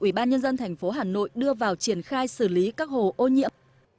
ủy ban nhân dân thành phố hà nội đưa vào triển khai xử lý các hồ ô nhiễm